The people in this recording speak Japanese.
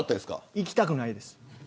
行きたくないです。